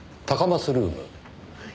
はい。